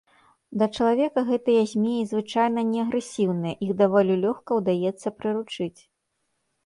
Да чалавека гэтыя змеі звычайна не агрэсіўныя, іх даволі лёгка ўдаецца прыручыць.